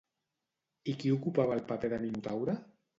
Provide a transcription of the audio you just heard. I qui ocupava el paper de Minotaure?